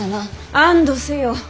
安堵せよ。